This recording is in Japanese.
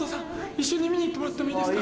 一緒に見に行ってもらってもいいですか？